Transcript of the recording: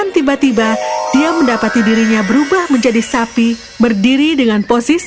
kau bisa berbuka dengan noodles gemkar didalam firstly tapi selalu tidak akan keluar dari tempat tentu